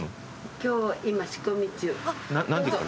今日今仕込み中。